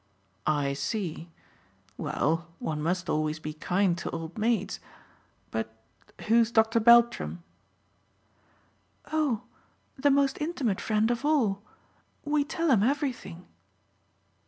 "I see. Well, one must always be kind to old maids. But who's Dr. Beltram?" "Oh the most intimate friend of all. We tell him everything."